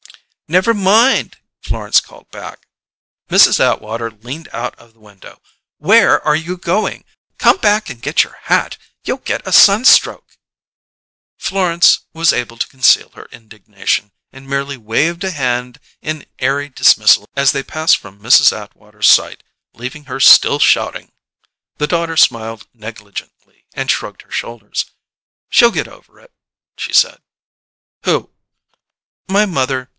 "Never mind!" Florence called back. Mrs. Atwater leaned out of the window. "Where are you going? Come back and get your hat. You'll get a sunstroke!" Florence was able to conceal her indignation, and merely waved a hand in airy dismissal as they passed from Mrs. Atwater's sight, leaving her still shouting. The daughter smiled negligently and shrugged her shoulders. "She'll get over it!" she said. "Who?" "My mother.